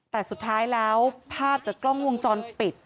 แต่สุดท้ายแล้วภาพจากกล้องวงจรปิด